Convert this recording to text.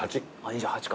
２８か。